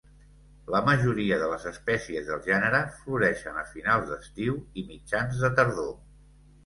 La majoria de les espècies del gènere floreixen a finals d'estiu i mitjans de tardor.